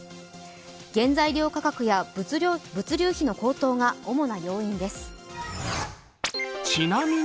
原材料価格や物流費の高騰が主な要因です。